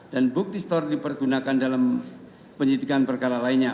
dan bukti store dipergunakan dalam penyitikan perkara lainnya